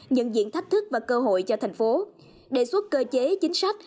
nhận diện thách thức và cơ hội cho thành phố đề xuất cơ chế chính sách